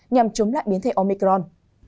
nhằm chống lại biến thể omicron